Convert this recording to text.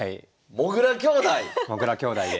もぐら兄弟で。